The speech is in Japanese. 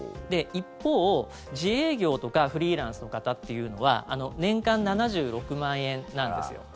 一方、自営業とかフリーランスの方というのは年間７６万円なんですよ。